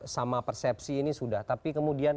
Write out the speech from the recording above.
sama persepsi ini sudah tapi kemudian